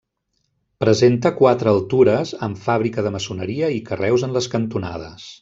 Presenta quatre altures, amb fàbrica de maçoneria i carreus en les cantonades.